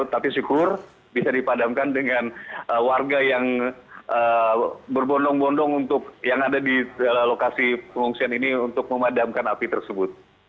tapi syukur bisa dipadamkan dengan warga yang berbondong bondong untuk yang ada di lokasi pengungsian ini untuk memadamkan api tersebut